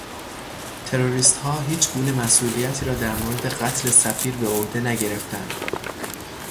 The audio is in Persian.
تروریستهاهیچ گونه مسئولیتی را در مورد قتل سفیر به عهده نگرفتند.